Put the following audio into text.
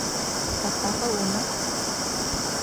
Атаһы уны: